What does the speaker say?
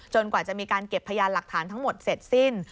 กว่าจะมีการเก็บพยานหลักฐานทั้งหมดเสร็จสิ้น